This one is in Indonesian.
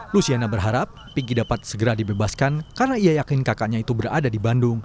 luciana berharap picky dapat segera dibebaskan karena ia yakin kakaknya itu berada di bandung